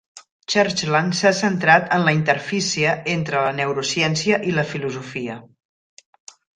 Churchland s'ha centrat en la interfície entre la neurociència i la filosofia.